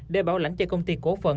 để bảo lãnh cho công ty cổ phận